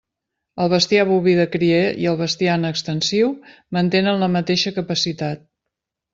El bestiar boví de cria i el bestiar en extensiu mantenen la mateixa capacitat.